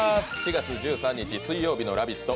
４月１３日水曜日の「ラヴィット！」